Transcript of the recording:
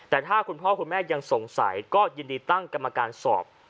แต่ถ้าคุณพ่อคุณแม่ยังสงสัยก็ยินดีตั้งกรรมการสอบ